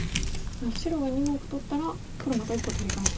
白が２目取ったら黒また１個取り返して。